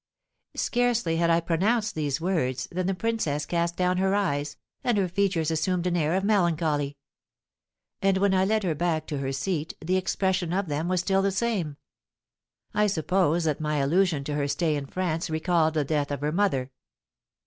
Scarcely had I pronounced these words than the princess cast down her eyes, and her features assumed an air of melancholy; and when I led her back to her seat the expression of them was still the same. I suppose that my allusion to her stay in France recalled the death of her mother.